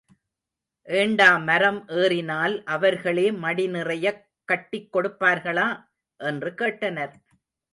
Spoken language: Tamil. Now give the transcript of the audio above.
ஏண்டா மரம் ஏறினால் அவர்களே மடி நிறையக் கட்டிக் கொடுப்பார்களா? என்று கேட்டனர்.